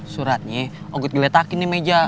suratnya ogut ngeletakin di meja